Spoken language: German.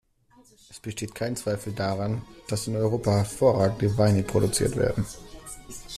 Es besteht kein Zweifel daran, dass in Europa hervorragende Weine produziert werden.